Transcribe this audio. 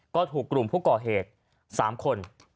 ก็ถูกกลุ่มผู้ก่อเหตุ๓คน